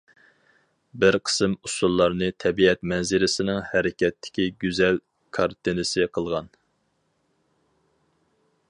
بىر قىسىم ئۇسسۇللارنى تەبىئەت مەنزىرىسىنىڭ ھەرىكەتتىكى گۈزەل كارتىنىسى قىلغان.